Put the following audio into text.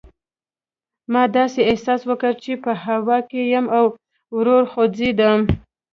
ما داسې احساس وکړل چې په هوا کې یم او ورو خوځېدم.